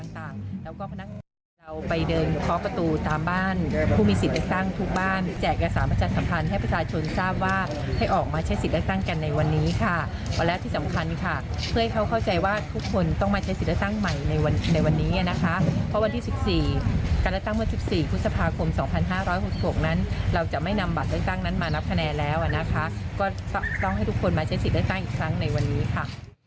ต้องให้ทุกคนมาเชื่อสิทธิ์เลือกตั้งอีกครั้งในวันนี้ค่ะ